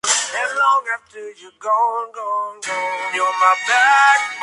Había buena caza y pesca.